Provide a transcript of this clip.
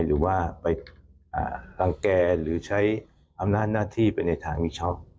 หรือว่าไปรังแก่หรือใช้อำนาจหน้าที่ไปในทางมิชอบ